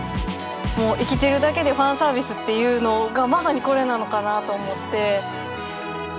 もう生きてるだけでファンサービスっていうのがまさにこれなのかなと思って。